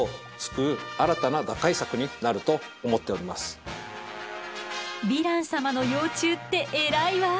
一次産業ヴィラン様の幼虫って偉いわ。